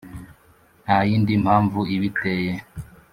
nta yindi mpamvu ibiteye,